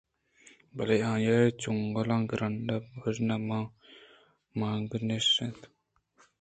بلے آئی ءِ چَنگُل گُرانڈ ءِ پژماں مانگیشیت اَنت